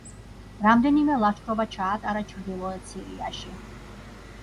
რამდენიმე ლაშქრობა ჩაატარა ჩრდილოეთ სირიაში.